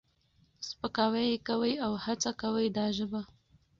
سپکاوی یې کوي او هڅه کوي دا ژبه